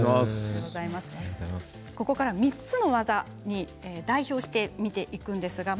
ここから３つの技、見ていきます。